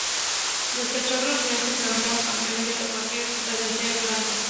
Los Cachorros León se proclamaron campeones de la categoría tras vencer al Durango.